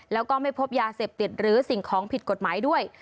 แล้วก็ไม่พบยาเสพติดหรือสิ่งของผิดกฎหมายด้วย